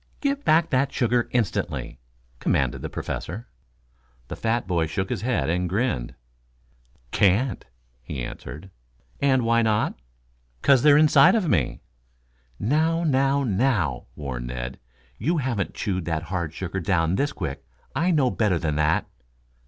"Give back that sugar, instantly!" commanded the Professor. The fat boy shook his head and grinned. "Can't," he answered. "And, why not?" "'Cause they're inside of me." "Now, now, now!" warned Ned. "You haven't chewed that hard sugar down this quick. I know better than that."